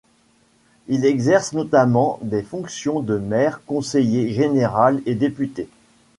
Il exerce notamment des fonctions de maire, conseiller général et député.